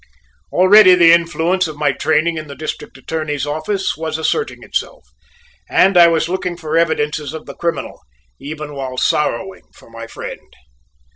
Already the influence of my training in the District Attorney's office was asserting itself, and I was looking for evidences of the criminal, even while sorrowing for my friend.